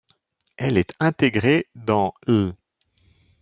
Elle est intégrée dans l'.